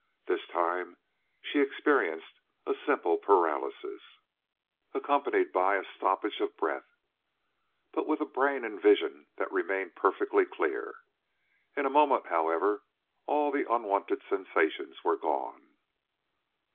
This time she experienced a simple paralysis, accompanied by a stoppage of breath, but with a brain and vision that remained perfectly clear. In a moment, however, all the unwonted sensations were gone.